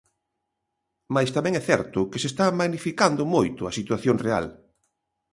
Mais tamén é certo que se está magnificando moito a situación real.